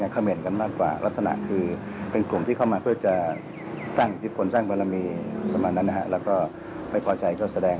คุณผู้บินผู้ธรรมนี้